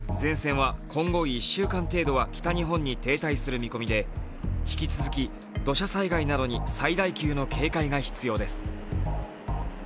気象庁によりますと前線は今後１週間程度は北日本に停滞する見込みで引き続き土砂災害などに最大級の警戒が必要です。